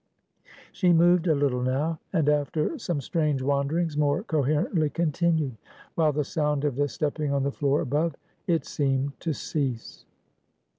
She moved a little now; and after some strange wanderings more coherently continued; while the sound of the stepping on the floor above it seemed to cease.